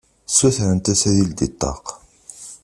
Sutrent-as ad yeldi ṭṭaq.